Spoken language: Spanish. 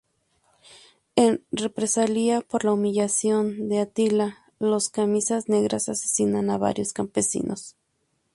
En represalia por la humillación de Attila, los camisas negras asesinan a varios campesinos.